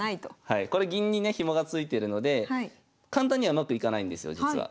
銀にねヒモがついてるので簡単にはうまくいかないんですよ実は。